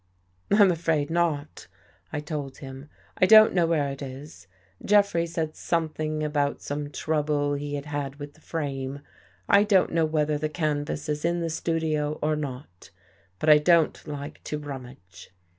" I'm afraid not," I told him. " I don't know where it is. Jeffrey said something about some trouble he had had with the frame. I don't know whether the canvas is in the studio or not; but I don't like to rummage."